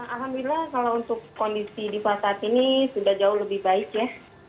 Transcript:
alhamdulillah kalau untuk kondisi diva saat ini sudah jauh lebih baik ya